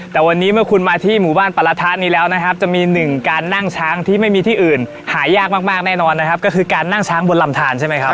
แต่วันนี้เมื่อคุณมาที่หมู่บ้านปรทะนี้แล้วนะครับจะมีหนึ่งการนั่งช้างที่ไม่มีที่อื่นหายากมากแน่นอนนะครับก็คือการนั่งช้างบนลำทานใช่ไหมครับ